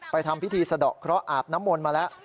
ไปทำพิธีเสดอเพราะอาบน้ำมนตร์มาแล้ว